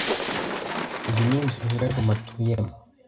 Iyi ni inzu nyirarume atuyemo.